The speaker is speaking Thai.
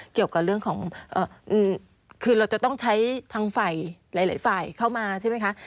เกี่ยวกับเรื่องของคือเราจะต้องใช้ทางฝ่ายหลายฝ่ายเข้ามาใช่ไหมคะ